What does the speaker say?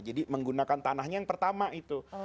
jadi menggunakan tanahnya yang pertama itu